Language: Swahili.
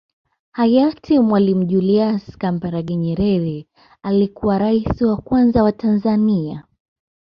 Hayati Mwalimu Julius Kambarage Nyerere alikuwa Rais wa Kwanza wa Tanzania